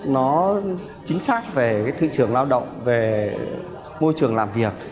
nó chính xác về thị trường lao động về môi trường làm việc